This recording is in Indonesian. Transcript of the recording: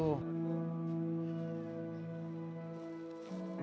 ributnya di situ